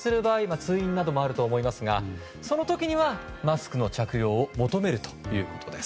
通院などもあると思いますがその時にはマスクの着用を求めるということです。